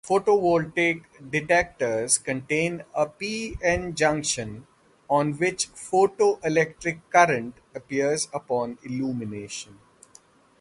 Photovoltaic detectors contain a p-n junction on which photoelectric current appears upon illumination.